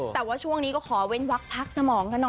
แต่ว่าช่วงนี้ก็ขอเว้นวักพักสมองกันหน่อย